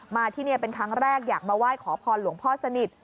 มาที่นี่เป็นครั้งแรกอยากมาไหว้ขอพรหลวงพ่อสนิท